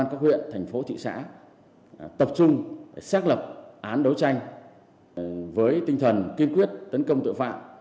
chúng tôi tập trung xác lập án đấu tranh với tinh thần kiên quyết tấn công tội phạm